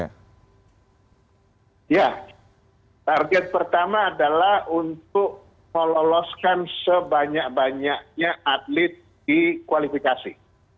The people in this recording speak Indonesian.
ya target pertama adalah untuk meloloskan sebanyak banyaknya atlet di kualifikasi